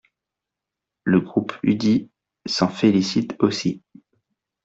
Le groupe UDI s’en félicite aussi.